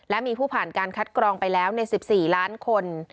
และมีผู้ผ่านการคัดกรองไปแล้วใน๑๔ล้านคน